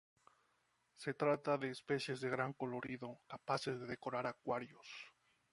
Se trata de especies de gran colorido, capaces de decorar acuarios.